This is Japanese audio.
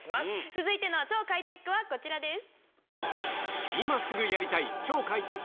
続いての超快テックはこちらです。